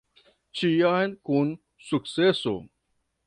Ĉiam kun sukceso.